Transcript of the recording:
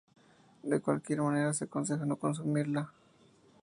De cualquier manera se aconseja no consumirla.